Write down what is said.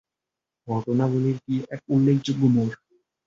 ঘটনাবলীর কী একটা উল্লেখযোগ্য মোড়।